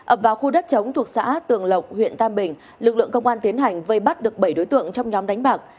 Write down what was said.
ập vào khu đất chống thuộc xã tường lộc huyện tam bình lực lượng công an tiến hành vây bắt được bảy đối tượng trong nhóm đánh bạc